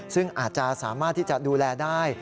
ซึ่งอาจจะสามารถที่จะดูแลได้